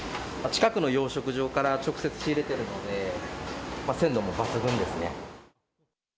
近くの養殖場から直接仕入れてるので、鮮度も抜群ですね。